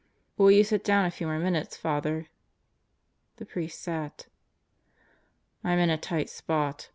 "Will you sit down a few more minutes, Father?" The priest sat. "I'm in a tight spot.